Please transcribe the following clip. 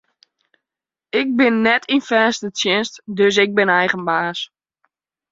Ik bin net yn fêste tsjinst, dus ik bin eigen baas.